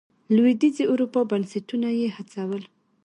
لوېدیځې اروپا بنسټونه یې هڅول.